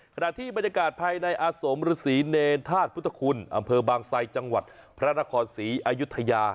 ขณะที่บรรยากาศภายในอาสมฤษีเนรธาตุพุทธคุณอำเภอบางไซจังหวัดพระนครศรีอายุทยา